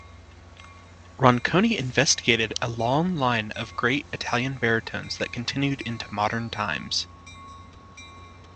Ronconi instigated a long line of great Italian baritones that continued into modern times.